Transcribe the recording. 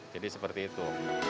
jadi seperti itu